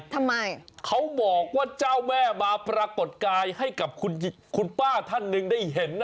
ทำไมเขาบอกว่าเจ้าแม่มาปรากฏกายให้กับคุณป้าท่านหนึ่งได้เห็น